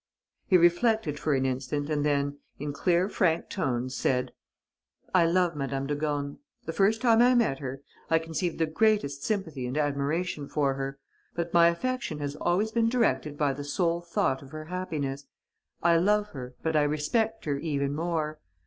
He reflected for an instant and then, in clear, frank tones, said: "I love Madame de Gorne. The first time I met her, I conceived the greatest sympathy and admiration for her. But my affection has always been directed by the sole thought of her happiness. I love her, but I respect her even more.